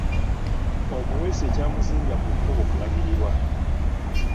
Omuweesi ekyamuzimbya ku kkubo kulagirirwa